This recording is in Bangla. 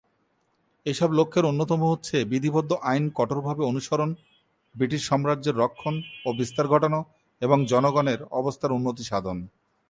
এই সব লক্ষ্যের অন্যতম হচ্ছে বিধিবদ্ধ আইন কঠোরভাবে অনুসরণ, ব্রিটিশ সাম্রাজ্যের রক্ষণ ও বিস্তার ঘটানো এবং জনগণের অবস্থার উন্নতি সাধন।